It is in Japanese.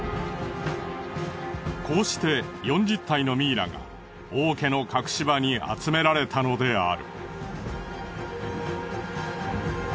こうして４０体のミイラが王家の隠し場に集められたのである。